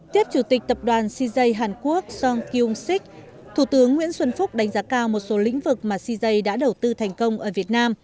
tiếp chủ tịch tập đoàn cz hàn quốc seong kyung sik thủ tướng nguyễn xuân phúc đánh giá cao một số lĩnh vực mà cz đã đầu tư thành công ở việt nam